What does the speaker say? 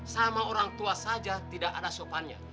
sama orang tua saja tidak ada sopannya